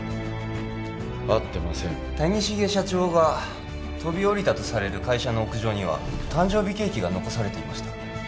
会ってません谷繁社長が飛び降りたとされる会社の屋上には誕生日ケーキが残されていました